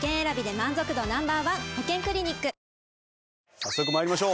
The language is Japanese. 早速参りましょう。